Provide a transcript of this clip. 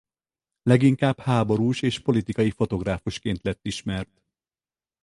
Leginkább háborús és politikai fotográfusként lett ismert.